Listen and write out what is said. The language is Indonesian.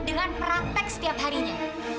dengan praktek setiap harinya